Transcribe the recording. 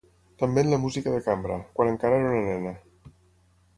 També en la música de cambra, quan encara era una nena.